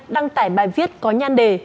đăng tải bài viết có nhan đề